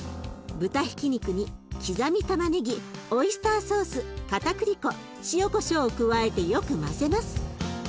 豚ひき肉に刻みたまねぎオイスターソースかたくり粉塩こしょうを加えてよく混ぜます。